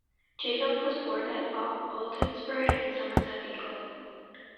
Jacob was born at Baltonsborough in Somerset, England.